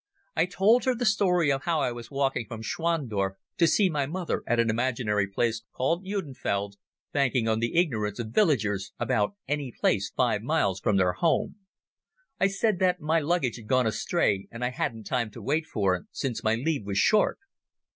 I told her the story of how I was walking from Schwandorf to see my mother at an imaginary place called Judenfeld, banking on the ignorance of villagers about any place five miles from their homes. I said my luggage had gone astray, and I hadn't time to wait for it, since my leave was short.